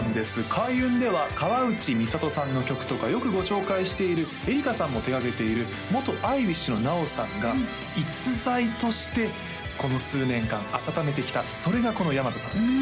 開運では河内美里さんの曲とかよくご紹介しているｅｒｉｃａさんも手がけている元ＩＷｉＳＨのｎａｏさんが逸材としてこの数年間温めてきたそれがこの大和さんです